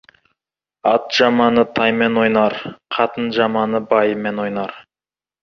Ат жаманы таймен ойнар, қатын жаманы байымен ойнар.